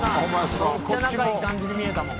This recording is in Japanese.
めっちゃ仲いい番組に見えたもん。